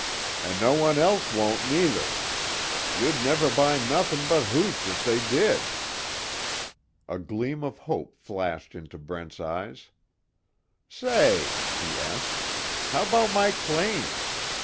An' no one else won't, neither. You'd never buy nothin' but hooch if they did." A gleam of hope flashed into Brent's eyes: "Say," he asked, "How about my claims?